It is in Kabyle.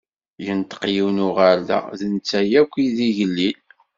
Yenṭeq yiwen n uɣerda, d netta akk i d igellil.